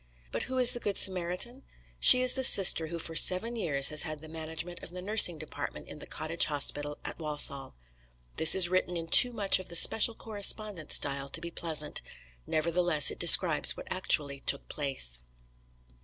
But who is the good Samaritan? She is the sister who for seven years has had the management of the nursing department in the cottage hospital at Walsall. This is written in too much of the "special correspondent" style to be pleasant; nevertheless it describes what actually took place.